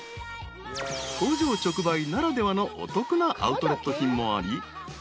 ［工場直売ならではのお得なアウトレット品もあり］